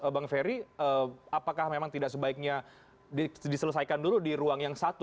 bang ferry apakah memang tidak sebaiknya diselesaikan dulu di ruang yang satu